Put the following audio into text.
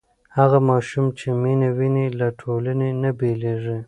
هغه ماشوم چې مینه ویني له ټولنې نه بېلېږي.